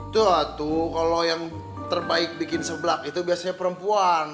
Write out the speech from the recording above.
tuh kalau yang terbaik bikin seblak itu biasanya perempuan